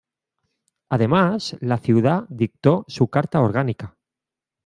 Además la ciudad dictó su Carta Orgánica.